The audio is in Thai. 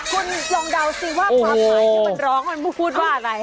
คุณลองเดาสิว่าความหมายที่มันร้องมันพูดว่าอะไร